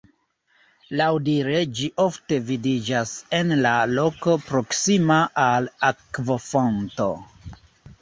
Laŭdire ĝi ofte vidiĝas en la loko proksima al akvofonto.